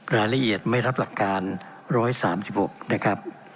รายละเอียดไม่รับหลักการ๑๓๖นะครับ